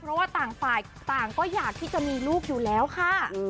เพราะว่าต่างฝ่ายต่างก็อยากที่จะมีลูกอยู่แล้วค่ะ